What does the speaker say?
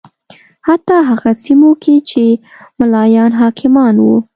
حتی هغه سیمو کې چې ملایان حاکمان و